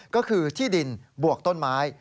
ก็คือที่ดินบวกต้นไม้